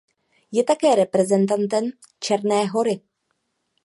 Je také reprezentantem Černé Hory.